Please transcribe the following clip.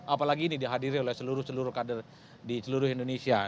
apalagi ini dihadiri oleh seluruh seluruh kader di seluruh indonesia